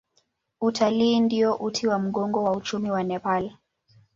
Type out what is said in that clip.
Utalii ndio uti wa mgongo wa uchumi wa Nepal.